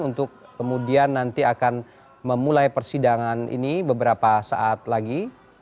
untuk kemudian nanti akan memulai persidangan ini beberapa saat lagi